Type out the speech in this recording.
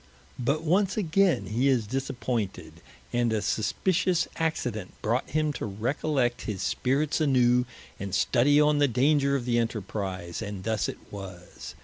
But once againe he is disappointed, and a suspitious accident brought him to recollect his spirits anew, and studie on the danger of the enterprize, and thus it was.